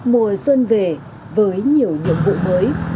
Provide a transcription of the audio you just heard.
mùa xuân về với nhiều nhiệm vụ mới